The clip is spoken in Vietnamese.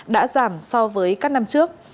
đã giảm so với các năm trước